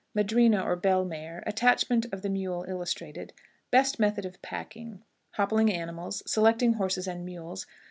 Madrina, or Bell mare. Attachment of the Mule illustrated. Best Method of Packing. Hoppling Animals. Selecting Horses and Mules.